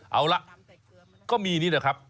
เอาละก็มีนี่นะครับ